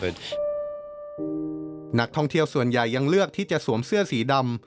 นักท่องเที่ยวส่วนใหญ่ยังเลือกที่จะสวมเสื้อสีดำ